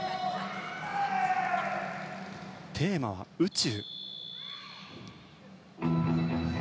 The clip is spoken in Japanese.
テーマは宇宙。